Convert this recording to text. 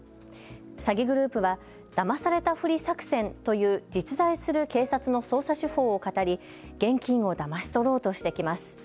詐欺グループはだまされたふり作戦という実在する警察の捜査手法をかたり現金をだまし取ろうとしてきます。